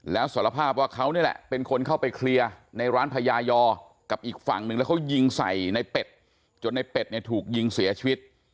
แล้วสารภาพว่าเขานี่แหละเป็นคนเข้าไปเคลียร์ในร้านพญายอกับอีกฝั่งนึงแล้วเขายิงใส่ในเป็ดจนในเป็ดเนี่ยถูกยิงเสียชีวิต